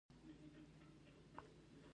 د لیمو شیره د څه لپاره وکاروم؟